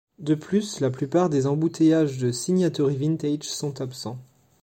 De plus la plupart des embouteillages de Signatory Vintage sont absents.